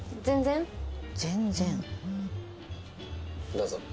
どうぞ。